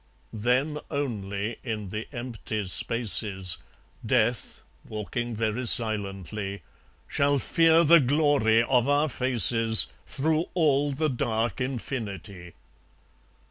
Then only in the empty spaces, Death, walking very silently, Shall fear the glory of our faces Through all the dark infinity.